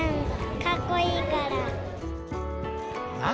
かっこいいから。